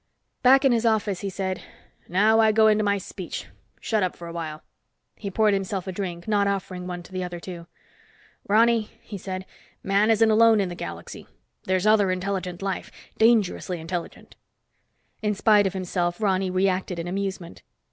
Back in his office he said, "Now I go into my speech. Shut up for a while." He poured himself a drink, not offering one to the other two. "Ronny," he said, "man isn't alone in the galaxy. There's other intelligent life. Dangerously intelligent." In spite of himself Ronny reacted in amusement.